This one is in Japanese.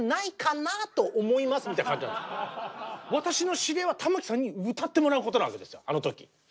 私の指令は玉置さんに歌ってもらうことなんですあの時。